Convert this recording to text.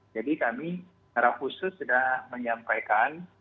jadi kami secara khusus sudah menyampaikan